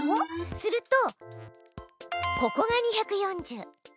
するとここが２４０。